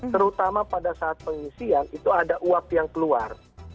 terutama pada saat pengisian itu ada uap yang keluar